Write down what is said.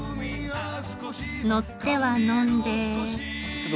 乗っては呑んで。